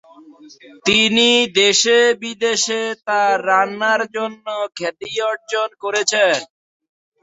তিনি দেশে বিদেশে তার রান্নার জন্য খ্যাতি অর্জন করেছেন।